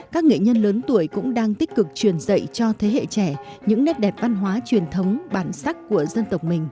các nghệ nhân lớn tuổi cũng đang tích cực truyền dạy cho thế hệ trẻ những nét đẹp văn hóa truyền thống bản sắc của dân tộc mình